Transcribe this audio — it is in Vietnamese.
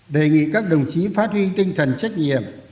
đề nghị các đồng chí phát huy tinh thần trách nhiệm